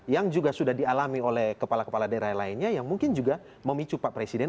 yang juga sudah dialami oleh kepala kepala daerah lainnya yang mungkin juga memicu pak presiden